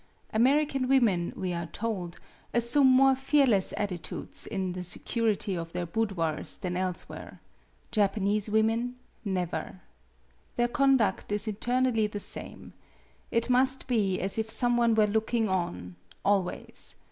American women, we are told, assume more fearless attitudes MADAME BUTTERFLY . i? in the security of their boudoirs than else where. Japanese women, never. Their conduct is eternally the same. It must be as if some one were looking on always.